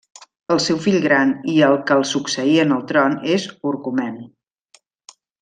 El seu fill gran i el que el succeí en el tron és Orcomen.